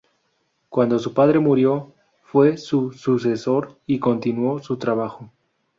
Cuando su padre murió, fue su sucesor, y continuó con su trabajo.